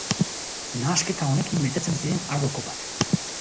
Nahasketa honekin betetzen ziren ardo kopak.